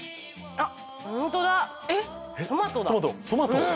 あっ！